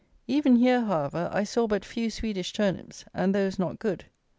Even here, however, I saw but few Swedish turnips, and those not good.